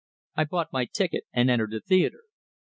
I bought my ticket, and entered the theatre.